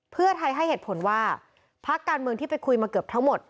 เพื่อไทยให้เหตุผลว่าพักการเมืองที่ไปคุยมาเกือบทั้งหมด